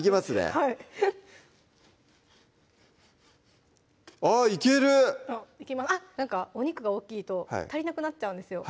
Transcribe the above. はいあっいけるあっなんかお肉が大きいと足りなくなっちゃうんですよ